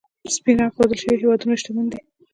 په سپین رنګ ښودل شوي هېوادونه، شتمن دي.